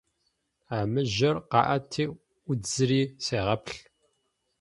А мыжъор къэӏэти ӏудзыри сегъэплъ.